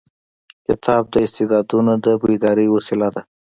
کتاب د استعدادونو د بیدارۍ وسیله ده.